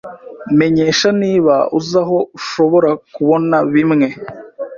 Menyesha niba uzi aho ushobora kubona bimwe.